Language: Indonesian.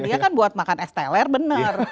dia kan buat makan es teler benar